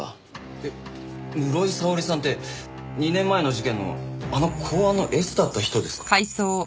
えっ室井沙織さんって２年前の事件のあの公安のＳだった人ですか？